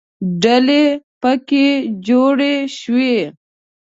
ډلې پکې جوړې شوې.